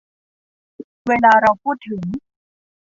เวลาเราพูดถึง